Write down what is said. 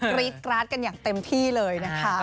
รี๊ดกราดกันอย่างเต็มที่เลยนะคะ